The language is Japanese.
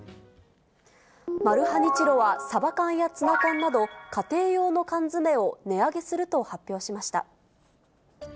マルハニチロはサバ缶やツナ缶など、家庭用の缶詰を値上げすると発表しました。